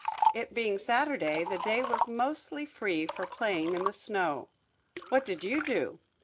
It being Saturday the day was mostly free for playing in the snow. What did you do?